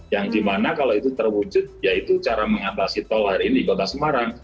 yang dimana kalau itu terwujud yaitu cara mengatasi tol hari ini di kota semarang